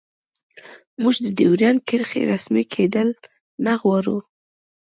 موږ د ډیورنډ کرښې رسمي کیدل نه غواړو